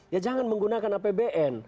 ya jangan menggunakan apbn